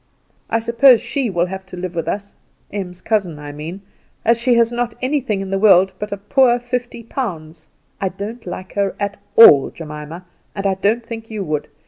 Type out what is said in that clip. I suppose she will have to live with us (Em's cousin, I mean), as she has not anything in the world but a poor fifty pounds. I don't like her at all, Jemima, and I don't think you would.